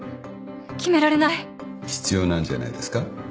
決められない！必要なんじゃないですか。